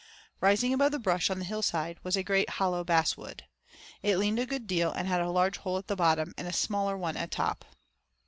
Rising above the brush on the hillside was a great hollow basswood. It leaned a good deal and had a large hole at the bottom, and a smaller one at top.